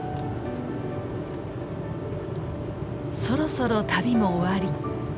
そろそろ旅も終わり。